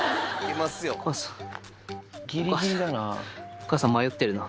お母さん迷ってるな。